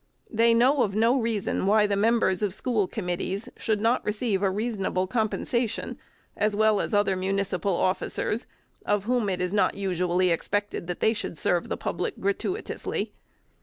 They know of no reason why the members of school committees should not receive a reasonable compensation, as well as other municipal officers, of whom it is not usually expected that they should serve the public gratuitously.